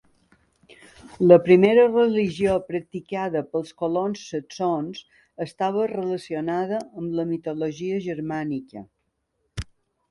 La primera religió practicada pels colons saxons estava relacionada amb la mitologia germànica.